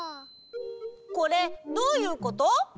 これどういうこと？